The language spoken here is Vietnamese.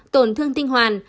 tổn thương tinh hoàn